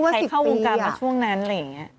เข้าวงการมาช่วงนั้นอะไรอย่างนี้